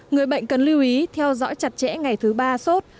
người bệnh cần lưu ý theo dõi chặt chẽ ngày thứ ba sốt